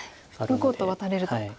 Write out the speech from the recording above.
向こうとワタれると。